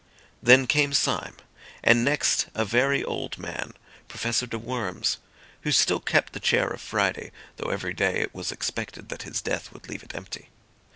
Then came Syme, and next a very old man, Professor de Worms, who still kept the chair of Friday, though every day it was expected that his death would leave it empty.